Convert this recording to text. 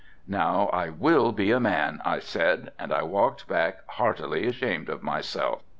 "Now I will be a man," I said, and I walked back heartily ashamed of myself.